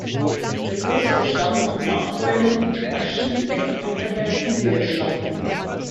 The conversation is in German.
Der große Bestand an Bachforellen und Barschen lässt Anglerherzen höher schlagen.